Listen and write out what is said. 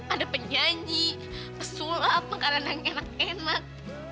ada penyanyi pesulap makanan yang enak enak